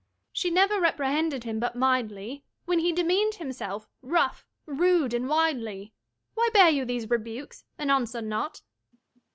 _ She never reprehended him but mildly, When he demean'd himself rough, rude, and wildly. Why bear you these rebukes, and answer not?